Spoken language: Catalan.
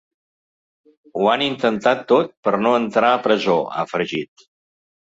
Ho han intentat tot per no entrar a presó, ha afegit.